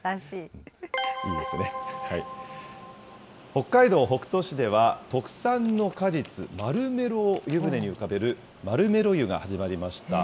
北海道北斗市では、特産の果実、マルメロを湯船に浮かべる、マルメロ湯が始まりました。